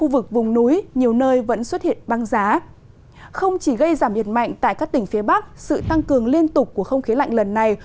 với giảm nhiệt mạnh tại các tỉnh phía bắc sự tăng cường liên tục của không khí lạnh lần này